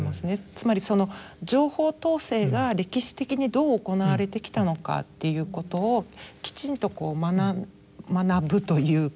つまりその情報統制が歴史的にどう行われてきたのかっていうことをきちんと学ぶというか。